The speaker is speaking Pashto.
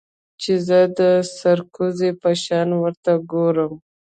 چې زه د سرکوزو په شان ورته گورم.